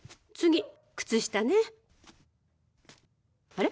あれ？